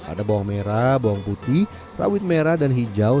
ada bawang merah bawang putih rawit merah dan hijau